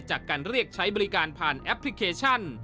จากการเรียกใช้บริการผ่านแอปพลิเคชัน